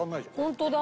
本当だ！